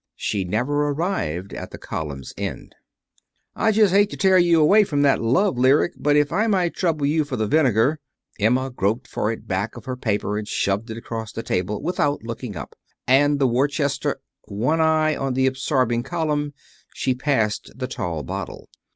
She never arrived at the column's end. "I just hate to tear you away from that love lyric; but if I might trouble you for the vinegar " Emma groped for it back of her paper and shoved it across the table without looking up, " and the Worcester " One eye on the absorbing column, she passed the tall bottle.